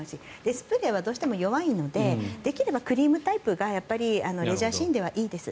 スプレーはどうしても弱いのでできればクリームタイプがやっぱりレジャーシーンではいいです。